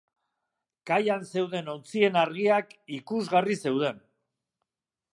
Kaian zeuden ontzien argiak ikusgarri zeuden.